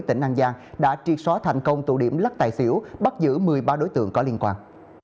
tỉnh an giang đã triệt xóa thành công tụ điểm lắc tài xỉu bắt giữ một mươi ba đối tượng có liên quan